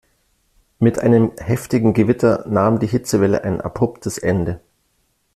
Mit einem heftigen Gewitter nahm die Hitzewelle ein abruptes Ende.